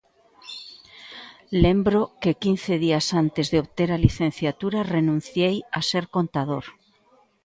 Lembro que quince días antes de obter a licenciatura renunciei a ser contador.